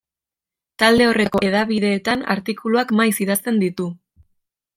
Talde horretako hedabideetan artikuluak maiz idazten ditu.